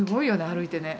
歩いてね。